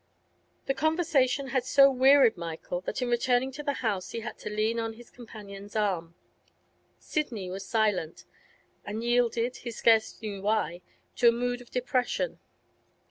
The conversation had so wearied Michael, that in returning to the house he had to lean on his companion's arm. Sidney was silent, and yielded, he scarce knew why, to a mood of depression.